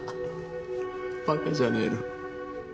バカじゃねえの？